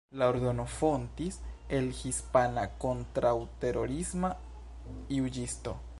La ordono fontis el hispana kontraŭterorisma juĝisto.